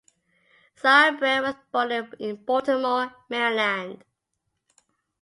Sauerbrey was born in Baltimore, Maryland.